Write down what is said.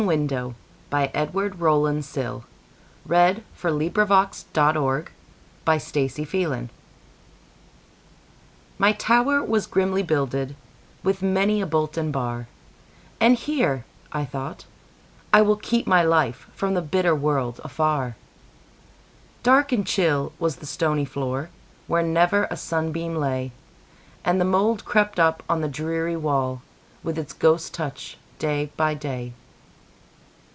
1912. Edward Rowland Sill 1841–1887 Edward Rowland Sill 207 The Open Window MY tower was grimly builded, With many a bolt and bar,"And here," I thought, "I will keep my lifeFrom the bitter world afar."Dark and chill was the stony floor, Where never a sunbeam lay, And the mould crept up on the dreary wall, With its ghost touch, day by day.